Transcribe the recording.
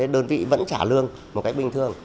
đơn vị vẫn trả lương một cách bình thường